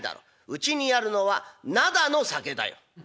うちにあるのは灘の酒だよ」。